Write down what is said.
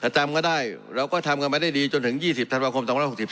จำก็ได้เราก็ทำกันมาได้ดีจนถึง๒๐ธันวาคม๒๖๔